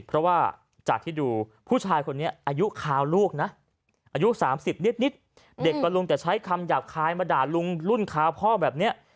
เพราะว่าจากที่ดูผู้ชายคนนี้อายุคาวลูกนะอายุ๓๐นิดเด็กก็ลุงแต่ใช้คำหยาบคายมาด่าลุงรุ่นคาวพ่อแบบนี้